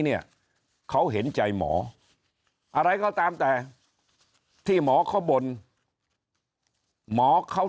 เนี่ยเขาเห็นใจหมออะไรก็ตามแต่ที่หมอเขาบ่นหมอเขา